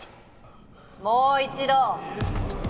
「もう一度！」